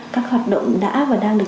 các hoạt động đã và đang được